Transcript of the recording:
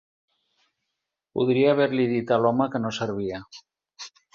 Podria haver-li dit a l'home que no servia.